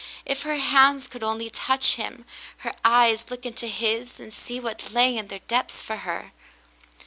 If her hands could only touch him, her eyes look into his and see what lay in their depths for her